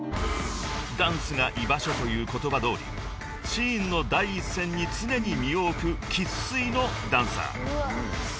［ダンスが居場所という言葉どおりシーンの第一線に常に身を置く生粋のダンサー］